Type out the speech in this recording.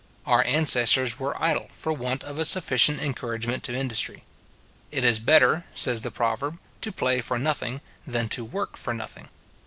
Our ancestors were idle for want of a sufficient encouragement to industry. It is better, says the proverb, to play for nothing, than to work for nothing.